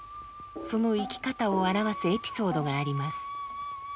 その生き方を表すエピソードがあります。